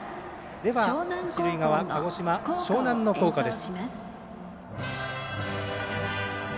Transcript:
では、一塁側鹿児島、樟南高校の校歌です。